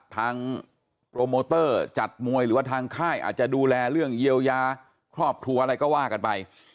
โปรโมเตอร์จัดมวยหรือว่าทางค่ายอาจจะดูแลเรื่องเยียวยาครอบครัวอะไรก็ว่ากันไป